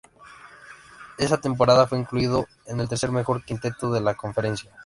Esa temporada fue incluido en el tercer mejor quinteto de la conferencia.